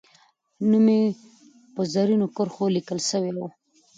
نوم یې به په زرینو کرښو لیکل سوی وو.